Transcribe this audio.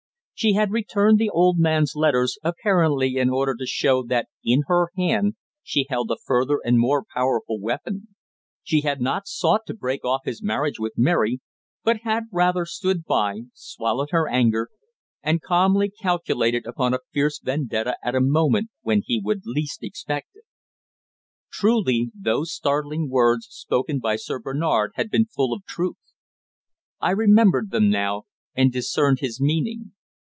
She had returned the old man's letters apparently in order to show that in her hand she held a further and more powerful weapon; she had not sought to break off his marriage with Mary, but had rather stood by, swallowed her anger, and calmly calculated upon a fierce vendetta at a moment when he would least expect it. Truly those startling words spoken by Sir Bernard had been full of truth. I remembered them now, and discerned his meaning.